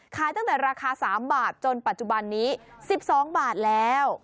ขายตั้งแต่ราคา๓บาทจนปัจจุบันนี้๑๒บาทแล้ว